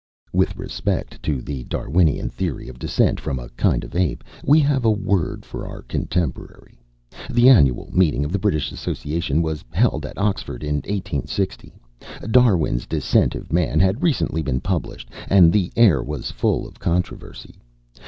With respect to "the Darwinian theory of descent from a kind of ape," we have a word for our contemporary. The annual meeting of the British Association was held at Oxford in 1860. Darwin's Descent of Man had recently been published, and the air was full of controversy.